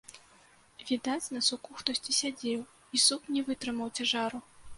Відаць, на суку хтосьці сядзеў, і сук не вытрымаў цяжару.